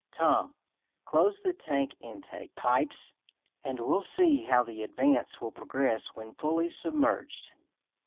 Tom, close the tank intake pipes and we'll see how the Advance will progress when fully submerged."